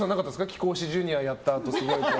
貴公子ジュニアやったあと。